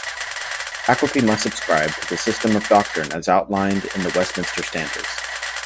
Faculty must subscribe to the system of doctrine as outlined in the Westminster Standards.